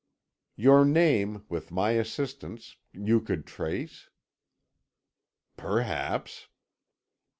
"Your name, with my assistance, you could trace?" "Perhaps."